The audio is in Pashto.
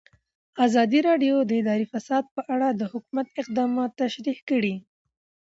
ازادي راډیو د اداري فساد په اړه د حکومت اقدامات تشریح کړي.